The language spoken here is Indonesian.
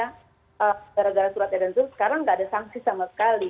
gara gara surat edaran itu sekarang nggak ada sanksi sama sekali